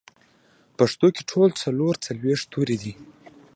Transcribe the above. پښتو کې ټول څلور څلوېښت توري دي